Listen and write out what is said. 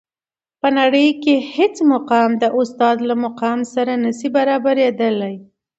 په نړۍ کي هیڅ مقام د استاد له مقام سره نسي برابري دلای.